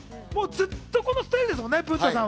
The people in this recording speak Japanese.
ずっとこのスタイルですもんね。